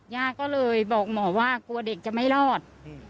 ย่าก็เลยบอกหมอว่ากลัวเด็กจะไม่รอด